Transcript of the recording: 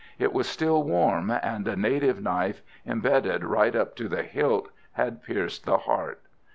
It was still warm, and a native knife, embedded right up to the hilt, had pierced the heart.